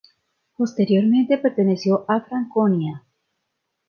Posteriormente perteneció a Franconia.